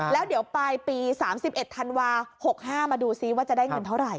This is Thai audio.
แล้วเดี๋ยวปลายปี๓๑ธันวา๖๕มาดูซิว่าจะได้เงินเท่าไห